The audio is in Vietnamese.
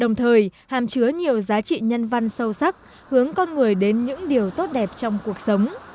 đồng thời hàm chứa nhiều giá trị nhân văn sâu sắc hướng con người đến những điều tốt đẹp trong cuộc sống